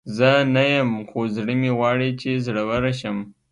زه نه یم، خو زړه مې غواړي چې زړوره شم.